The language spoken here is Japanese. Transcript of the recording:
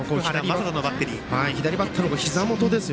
左バッターのひざ元です。